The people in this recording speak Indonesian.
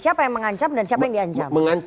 siapa yang mengancam dan siapa yang diancam